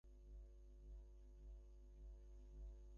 বরযাত্রীদের উৎসাহ তাতে যেন আরো বাড়ল।